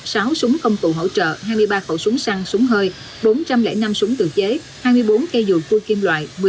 sáu súng công tụ hỗ trợ hai mươi ba khẩu súng săn súng hơi bốn trăm linh năm súng tự chế hai mươi bốn cây dùi cua kim loại